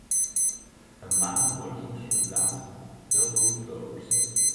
A man walking through glass double doors.